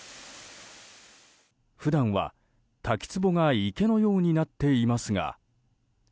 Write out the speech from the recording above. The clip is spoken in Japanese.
普段は滝つぼが池のようになっていますが。